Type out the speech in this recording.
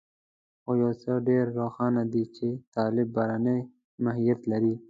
خو يو څه ډېر روښانه دي چې طالب بهرنی ماهيت لري.